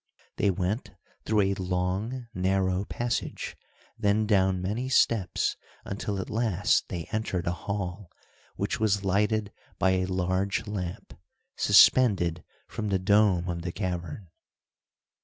They went through a long, narrow passage, then down many steps, until at last they entered a hall, which was lighted by a large lamp, suspended from the dome of the cavern.